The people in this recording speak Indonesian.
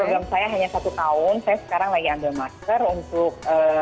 program saya hanya satu tahun saya sekarang lagi ambil masker untuk